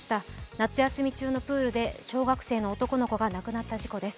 夏休み中のプールで小学生の男の子が亡くなった事故です。